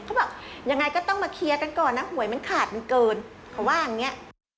เขาบอกยังไงก็ต้องมาเคลียร์กันก่อนนะหวยมันขาดมันเกินเขาว่าอย่างนี้